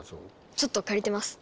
ちょっと借りてます。